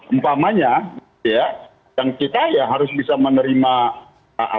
umpamanya ya yang kita ya harus bisa menerima apa